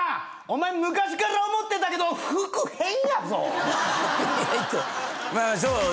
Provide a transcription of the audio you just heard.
お前昔から思ってたけど服変やぞ⁉そうなんですよ。